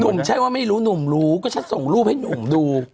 ไม่ใช่ว่าไม่รู้หนุ่มรู้ก็ฉันส่งรูปให้หนุ่มดู